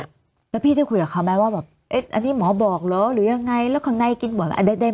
แล้วพี่ได้คุยกับเขาไหมว่าอันนี้หมอบอกหรือยังไงแล้วข้างในกินบ่อยได้คุยไหม